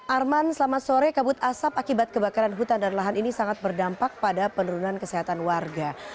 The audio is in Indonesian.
arman selamat sore kabut asap akibat kebakaran hutan dan lahan ini sangat berdampak pada penurunan kesehatan warga